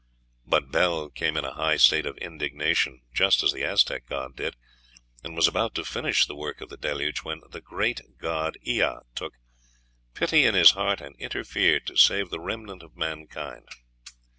But Bel came in a high state of indignation, just as the Aztec god did, and was about to finish the work of the Deluge, when the great god Ea took pity in his heart and interfered to save the remnant of mankind.